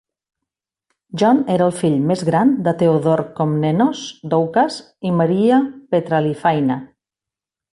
John era el fill més gran de Theodore Komnenos Doukas i Maria Petraliphaina.